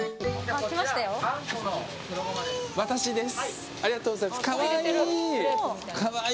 私です。